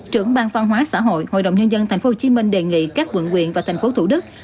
trưởng bang phan hóa xã hội hội đồng nhân dân thành phố hồ chí minh đề nghị các quận huyện và thành phố thủ đức